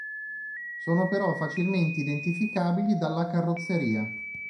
Sono però facilmente identificabili dalla carrozzeria.